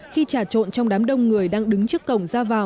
khi trà trộn trong đám đông người đang đứng trước cổng ra vào